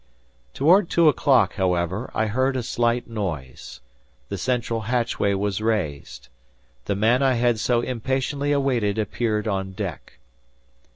Toward two o'clock, however, I heard a slight noise; the central hatchway was raised. The man I had so impatiently awaited appeared on deck.